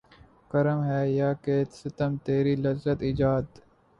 کرم ہے یا کہ ستم تیری لذت ایجاد